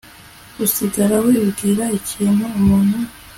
usigara wibwira iki muntu